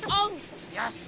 よし！